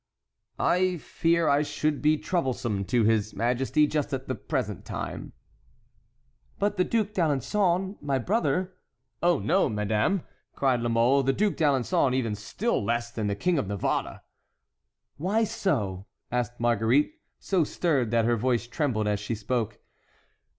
"I fear I should be troublesome to his majesty just at the present time." "But the Duc d'Alençon, my brother?" "Oh, no, madame!" cried La Mole, "the Duc d'Alençon even still less than the King of Navarre." "Why so?" asked Marguerite, so stirred that her voice trembled as she spoke.